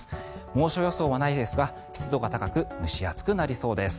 猛暑予想はないですが湿度が高く蒸し暑くなりそうです。